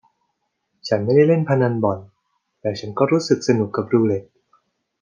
ฉันไม่ได้เล่นพนันบ่อนแต่ฉันก็รู้สึกสนุกกับรูเรทท์